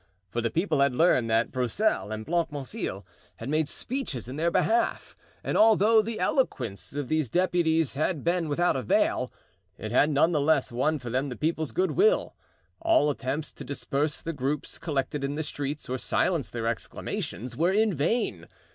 For the people had learned that Broussel and Blancmesnil had made speeches in their behalf, and, although the eloquence of these deputies had been without avail, it had none the less won for them the people's good will. All attempts to disperse the groups collected in the streets, or silence their exclamations, were in vain.